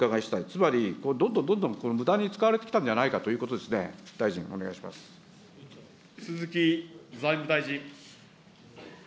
つまりこれ、どんどんどんどんむだに使われてきたんじゃないかということですね、大臣、お願いし鈴木財務大臣。